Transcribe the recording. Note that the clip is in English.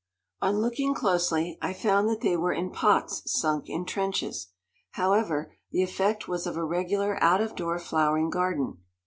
On looking closely, I found that they were in pots sunk in trenches. However, the effect was of a regular out of door flowering garden.